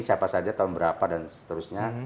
siapa saja tahun berapa dan seterusnya